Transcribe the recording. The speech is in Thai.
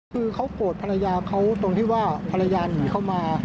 คือเขาโกรธภรรยาเขาตรงที่ว่าภรรยาหนีเข้ามา